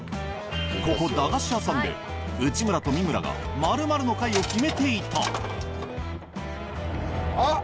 ここ駄菓子屋さんで内村と三村が○○の会を決めていたあっ！